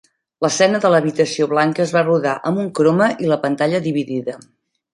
L'escena de l'habitació blanca es va rodar amb un croma i la pantalla dividida.